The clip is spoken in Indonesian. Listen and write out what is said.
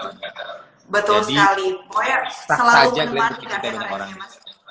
selalu menemani orang orang